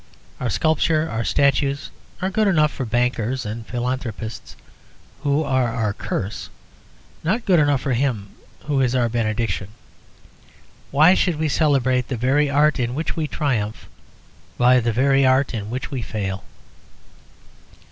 Our sculpture, our statues, are good enough for bankers and philanthropists, who are our curse: not good enough for him, who is our benediction. Why should we celebrate the very art in which we triumph by the very art in which we fail?